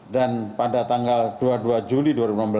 dan pada tanggal dua puluh dua juli dua ribu enam belas